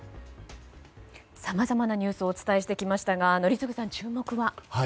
さまざまなニュースをお伝えしてきましたが宜嗣さん、注目は？